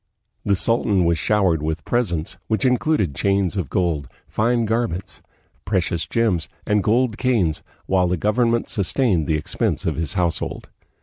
The sultan was showered with presents, which included chains of gold, fine garments, precious gems, and gold canes, while the government sustained the expense of his household.